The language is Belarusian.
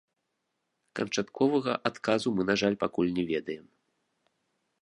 Канчатковага адказу мы, на жаль, пакуль не ведаем.